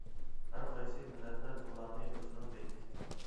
ھەر قايسى مىللەتلەر بۇلارنى ئۆزىنىڭ دەيدىكەن.